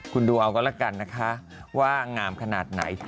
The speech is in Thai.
คุณดูเอากันละกันนะคะว่างามขนาดไหน